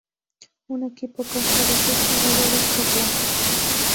Un equipo consta de seis jugadores por lado.